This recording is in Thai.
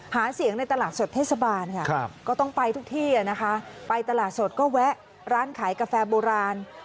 หาเสียงในตลาดสดเทศบาลค่ะก็ต้องไปทุกที่นะคะไปตลาดสดก็แวะร้านขายกาแฟโบราณ